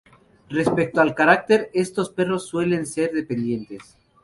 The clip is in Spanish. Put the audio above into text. Respecto al carácter, estos perros suelen ser dependientes